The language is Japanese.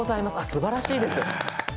すばらしいです。